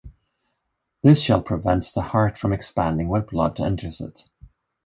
This shell prevents the heart from expanding when blood enters it.